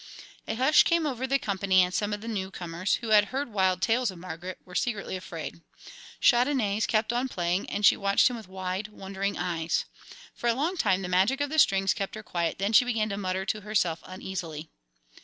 A hush came over the company and some of the newcomers, who had heard wild tales of Margaret, were secretly afraid. Chandonnais kept on playing, and she watched him with wide, wondering eyes. For a long time the magic of the strings kept her quiet, then she began to mutter to herself uneasily.